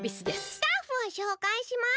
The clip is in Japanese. スタッフをしょうかいします。